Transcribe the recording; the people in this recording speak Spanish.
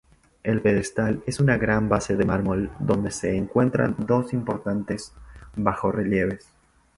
El pedestal es una gran base de mármol donde se encuentran dos importantes bajorrelieves.